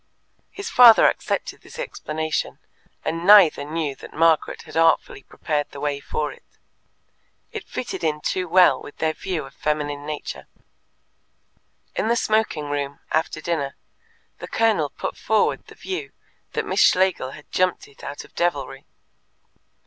His father accepted this explanation, and neither knew that Margaret had artfully prepared the way for it. It fitted in too well with their view of feminine nature. In the smoking room, after dinner, the Colonel put forward the view that Miss Schlegel had jumped it out of devilry.